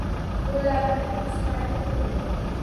Qo‘llarini ko‘ksilariga qo‘ydi.